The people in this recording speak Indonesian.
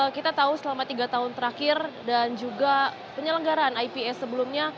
kita tahu selama tiga tahun terakhir dan juga penyelenggaran ips sebelumnya